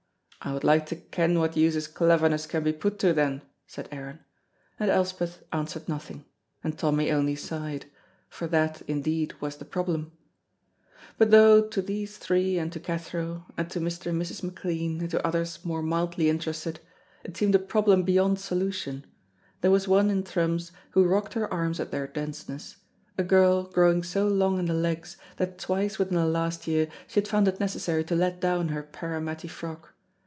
I would like to ken what use his cleverness can be put to, then," said Aaron, and Elspeth answered nothing, and Tommy only sighed, for that indeed was the problem. But though to these three and to Cathro, and to Mr. and Mrs. McLean and to others more mildly interested, it seemed a problem beyond solution, there was one in Thrums who rocked her arms at their denseness, a girl growing so long in the legs that twice within the last year she had found it necessary to let down her parramatty frock.